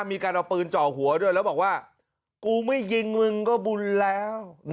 มีการเอาปืนเจาะหัวด้วยแล้วบอกว่ากูไม่ยิงมึงก็บุญแล้ว